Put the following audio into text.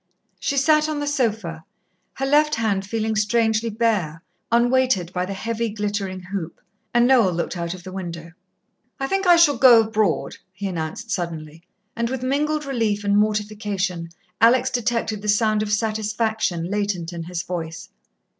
She sat on the sofa, her left hand feeling strangely bare, unweighted by the heavy, glittering hoop, and Noel looked out of the window. "I think I shall go abroad," he announced suddenly, and with mingled relief and mortification, Alex detected the sound of satisfaction latent in his voice.